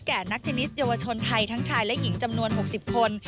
นักเทนนิสเยาวชนไทยทั้งชายและหญิงจำนวน๖๐คน